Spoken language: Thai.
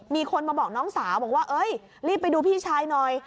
มีคนมาบอกน้องสาวบอกว่าเอ้ยรีบไปดูพี่ชายหน่อย